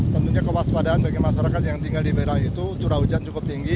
tentunya kewaspadaan bagi masyarakat yang tinggal di daerah itu curah hujan cukup tinggi